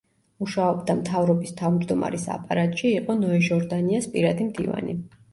მუშაობდა მთავრობის თავმჯდომარის აპარატში, იყო ნოე ჟორდანიას პირადი მდივანი.